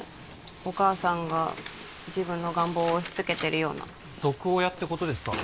お母さんが自分の願望を押しつけてるような毒親ってことですか？